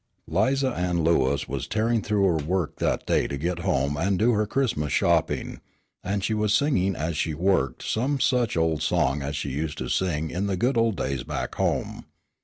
'Liza Ann Lewis was tearing through her work that day to get home and do her Christmas shopping, and she was singing as she worked some such old song as she used to sing in the good old days back home.